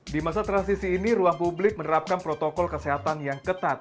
di masa transisi ini ruang publik menerapkan protokol kesehatan yang ketat